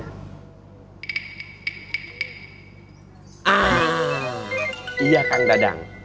ah iya kang dadang